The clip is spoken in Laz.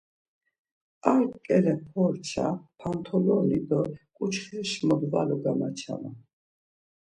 Ar ǩele porça, pontoloni do ǩuçxeş modvalu gamaçaman.